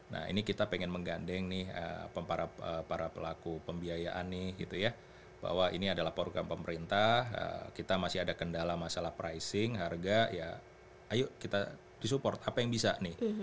nah ini kita pengen menggandeng nih para pelaku pembiayaan nih gitu ya bahwa ini adalah program pemerintah kita masih ada kendala masalah pricing harga ya ayo kita disupport apa yang bisa nih